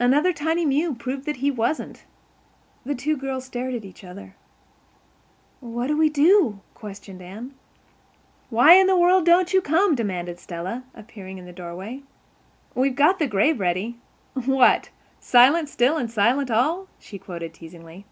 Another tiny mew proved that he wasn't. The two girls stared at each other. "What will we do?" questioned Anne. "Why in the world don't you come?" demanded Stella, appearing in the doorway. "We've got the grave ready. 'What silent still and silent all?'" she quoted teasingly.